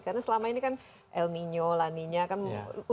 karena selama ini kan el nino la nina kan rutin lah